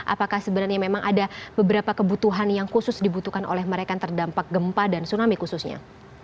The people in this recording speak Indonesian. apakah sebenarnya memang ada beberapa kebutuhan yang khusus dibutuhkan oleh mereka yang terdampak gempa dan tsunami khususnya